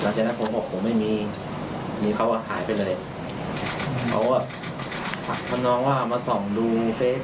หลังจากนั้นผมบอกผมไม่มีมีเขาก็หายไปเลยเขาก็ทำนองว่ามาส่องดูเฟซ